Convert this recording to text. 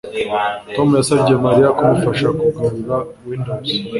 Tom yasabye Mariya kumufasha kugarura Windows